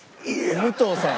武藤さん